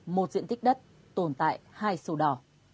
một diện tích đất tồn tại hai sổ đỏ